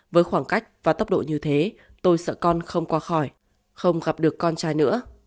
với khoảng cách và tốc độ như thế tôi sợ con không qua khỏi không gặp được con trai nữa